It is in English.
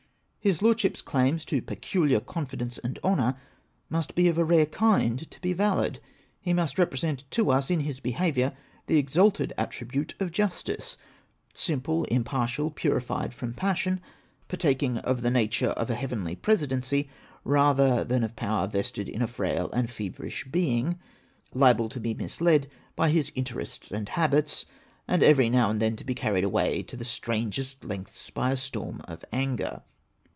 His Lordship's claims to peculiar confidence and honour must be of a rare kind to be valid. He must represent to us in his behaviour the exalted attribute of justice — simple, impartial, purified from passion, partaking of ihe nature of a heavenly presidency, rather than of power vested in a frail and feverish being, liable to be misled by his interests and habits, and every now and then to be carried away to the strangest lengths by a storm of anger.